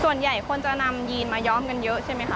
ส่วนใหญ่คนจะนำยีนมาย้อมกันเยอะใช่ไหมคะ